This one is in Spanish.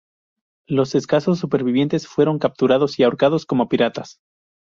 Los escasos supervivientes fueron capturados y ahorcados como piratas.